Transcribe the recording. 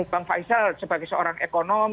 bang faisal sebagai seorang ekonom